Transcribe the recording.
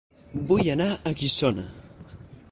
Vull anar a Guissona